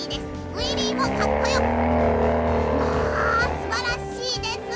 すばらしいですね！